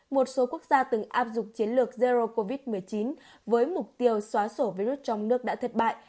một số quốc gia từng áp dụng chiến lược zero covid một mươi chín với mục tiêu xóa sổ virus trong nước đã thất bại